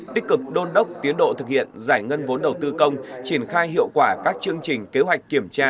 tích cực đôn đốc tiến độ thực hiện giải ngân vốn đầu tư công triển khai hiệu quả các chương trình kế hoạch kiểm tra